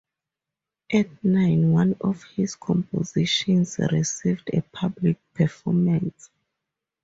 At nine, one of his compositions received a public performance.